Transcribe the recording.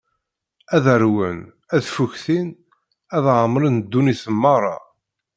Ad arwen, ad ffuktin, ad ɛemṛen ddunit meṛṛa.